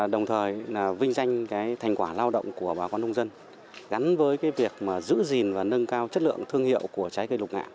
đồng thời vinh danh thành quả lao động của bà con nông dân gắn với việc giữ gìn và nâng cao chất lượng thương hiệu của trái cây lục ngạn